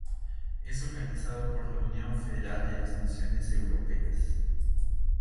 Es organizado por la Unión Federal de Nacionalidades Europeas.